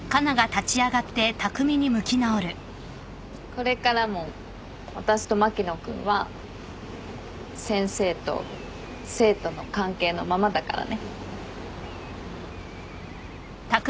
これからも私と牧野君は先生と生徒の関係のままだからね。